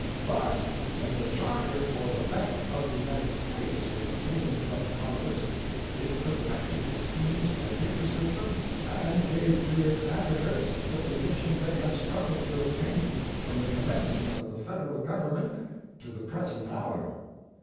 But when the charter for the Bank of the United States was obtained from Congress it perfected the schemes of the paper system and gave to its advocates the position they have struggled to obtain from the commencement of the Federal Government to the present hour.